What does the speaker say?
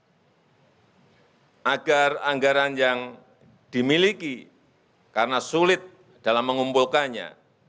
untuk agar anggaran yang dimiliki karena sulit dalam mengumpulkannya